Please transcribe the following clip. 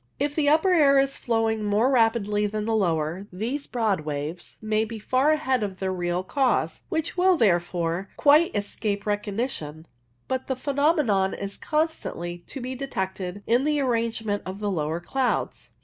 If the upper air is flowing more rapidly than the lower, these broad waves may be far ahead of their real cause, which will, therefore, quite escape recognition, but the phenomenon is constantly to be detected in the arrangement of the lower clouds.